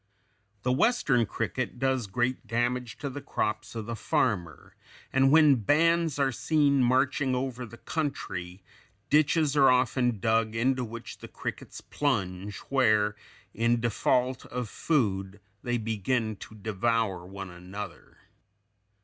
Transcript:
The Western cricket does great damage to the crops of the farmer, and when bands are seen marching over the country, ditches are often dug into which the crickets plunge, where, in default of food, they begin to devour one another.